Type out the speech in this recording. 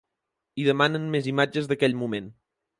I demanen més imatges d’aquell moment.